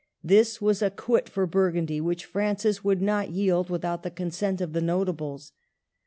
This was a quit for Burgundy, which Francis would not yield without the consent of the Notables.